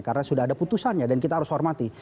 karena sudah ada putusannya dan kita harus hormati